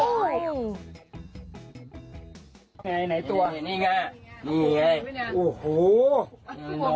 นี่ไงไหนตัวนี่ไงนี่ไงโอ้โห